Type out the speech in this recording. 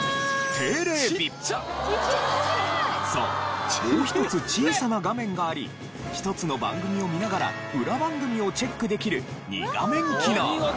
そうもう１つ小さな画面があり１つの番組を見ながら裏番組をチェックできる２画面機能。